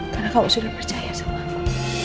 karena kamu sudah percaya sama aku